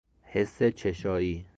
حس چشایی